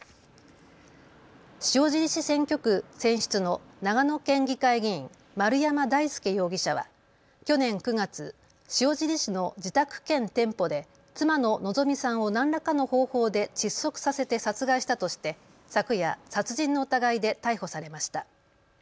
塩尻市選挙区選出の長野県議会議員、丸山大輔容疑者は去年９月、塩尻市の自宅兼店舗で妻の希美さんを何らかの方法で窒息させて殺害したとして昨夜、殺人の疑いで逮捕されました。